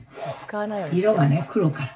「色がね黒から。